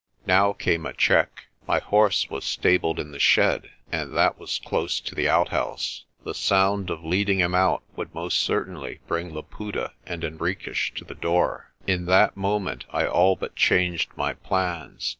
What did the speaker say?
Now came a check. My horse was stabled in the shed, and that was close to the outhouse. The sound of leading him out would most certainly bring Luputa and Henriques to the door. In that moment I all but changed my plans.